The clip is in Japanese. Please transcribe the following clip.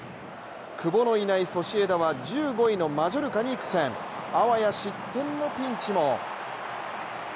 久保のいないソシエダは１５位のマジョルカに苦戦あわや失点のピンチも。